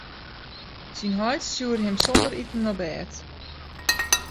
Syn heit stjoerde him sonder iten op bêd.